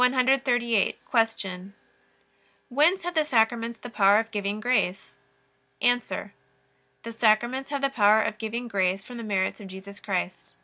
Q. Whence have the Sacraments the power of giving grace? A. The Sacraments have the power of giving grace from the merits of Jesus Christ.